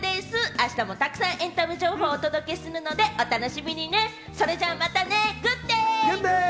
あしたもたくさんエンタメ情報をお届けするのでお楽しみに。